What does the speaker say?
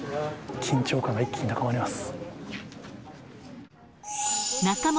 緊張感が一気に高まります。